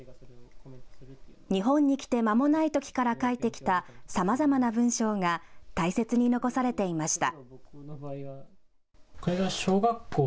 日本に来てまもないときから書いてきたさまざまな文章が大切に残されていました。